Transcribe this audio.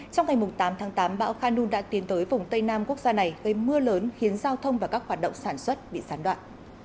trong ngày tám tháng tám bão khanun đã tiến tới vùng tây nam quốc gia này gây mưa lớn khiến giao thông và các hoạt động sản xuất bị sán đoạn